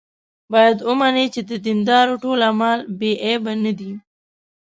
باید ومني چې د دیندارو ټول اعمال بې عیبه نه دي.